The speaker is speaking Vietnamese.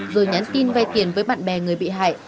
rồi nhắn tin vay tiền với bạn bè người bị hại